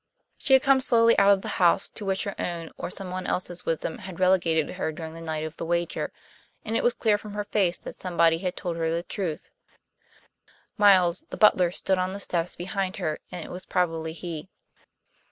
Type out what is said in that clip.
She had come slowly out of the house, to which her own or some one else's wisdom had relegated her during the night of the wager; and it was clear from her face that somebody had told her the truth; Miles, the butler, stood on the steps behind her; and it was probably he.